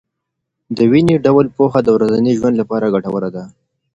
دویني ډول پوهه د ورځني ژوند لپاره ګټوره ده.